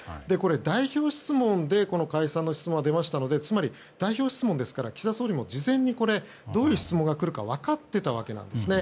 代表質問でこの解散の質問が出ましたのでつまり、代表質問ですから岸田総理も事前にどういう質問が来るか分かっていたわけなんですね。